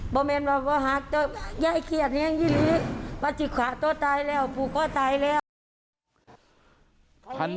บอเมนบาวะฮักต์เจ้าแย่เคียดเนี้ยงยินดีปัจจิขาตัวตายแล้วภูเขาตายแล้ว